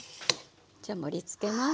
じゃあ盛りつけます。